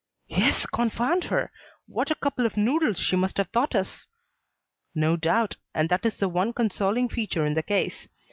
"Yes, confound her! What a couple of noodles she must have thought us!" "No doubt. And that is the one consoling feature in the case.